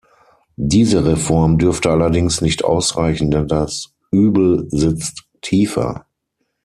Diese Reform dürfte allerdings nicht ausreichen, denn das Übel sitzt tiefer.